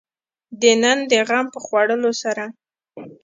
د نن د غم په خوړلو سره.